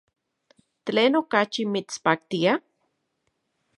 ¿Tlen okachi mitspaktia?